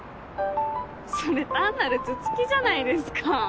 それ単なる頭突きじゃないですか。